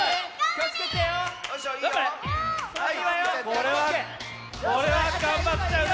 これはこれはがんばっちゃうね。